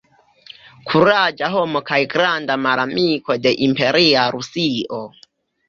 Kuraĝa homo kaj granda malamiko de imperia Rusio.